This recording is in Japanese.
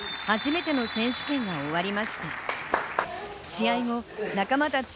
初めての選手権が終わりました。